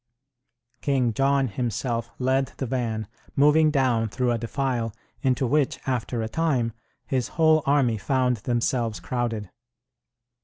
King John himself led the van, moving down through a defile, into which, after a time, his whole army found themselves crowded.